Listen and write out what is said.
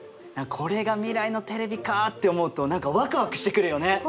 これが未来のテレビかって思うと何かワクワクしてくるよね！